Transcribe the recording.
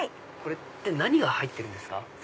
これって何が入ってるんですか？